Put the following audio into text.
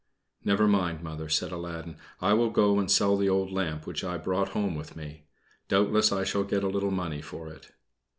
"Never mind, Mother," said Aladdin, "I will go and sell the old lamp which I brought home with me. Doubtless I shall get a little money for it."